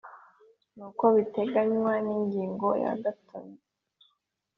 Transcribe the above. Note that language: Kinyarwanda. Nk uko biteganywa n ingingo ya gatatu